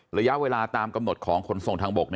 ระยะเวลาตามกำหนดของขนส่งทางบก